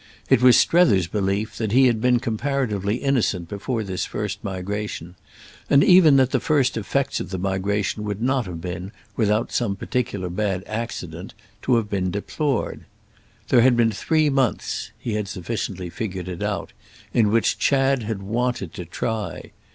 It was Strether's belief that he had been comparatively innocent before this first migration, and even that the first effects of the migration would not have been, without some particular bad accident, to have been deplored. There had been three months—he had sufficiently figured it out—in which Chad had wanted to try.